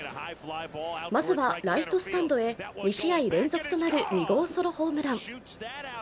まずはライトスタンドへ２試合連続となる２号ソロホームラン。